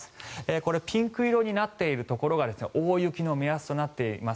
これ、ピンク色になっているところが大雪の目安となっています。